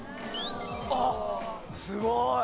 あっすごい！